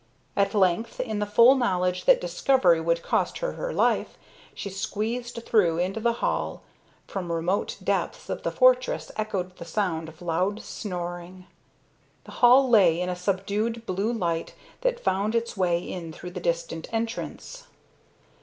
At length, in the full knowledge that discovery would cost her her life, she squeezed through into the hall. From remote depths of the fortress echoed the sound of loud snoring. The hall lay in a subdued blue light that found its way in through the distant entrance.